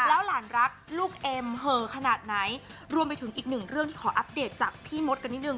แล้วหลานรักลูกเอ็มเหอขนาดไหนรวมไปถึงอีกหนึ่งเรื่องที่ขออัปเดตจากพี่มดกันนิดนึ